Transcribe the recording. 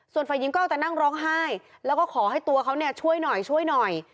ส่วนฝ่ายหญิงก็เอาแต่นั่งร้องไห้แล้วก็ขอให้ตัวเขาช่วยหน่อย